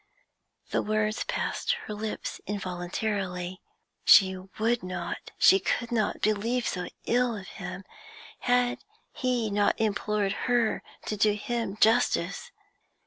The words passed her lips involuntarily. She would not, she could not, believe so ill of him; had he not implored her to do him justice?...